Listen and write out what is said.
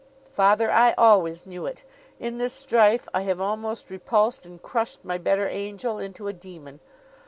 'Father, I always knew it. In this strife I have almost repulsed and crushed my better angel into a demon.